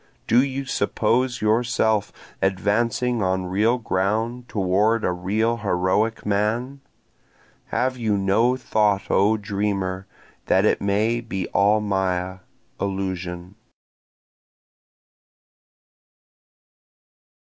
Do you suppose yourself advancing on real ground toward a real heroic man? Have you no thought O dreamer that it may be all maya, illusion?